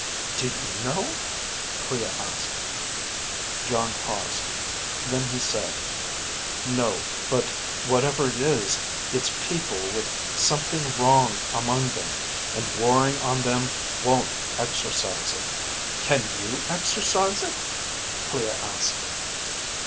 "Do you know?" Clea asked. Jon paused. Then he said, "No, but whatever it is, it's people with something wrong among them. And warring on them won't exorcise it." "Can you exorcise it?" Clea asked.